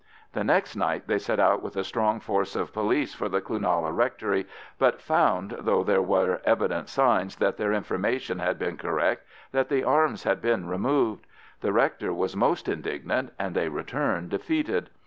The next night they set out with a strong force of police for the Cloonalla Rectory, but found, though there were evident signs that their information had been correct, that the arms had been removed; the rector was most indignant, and they returned defeated.